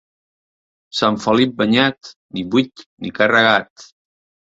Sant Felip banyat, ni buit ni carregat.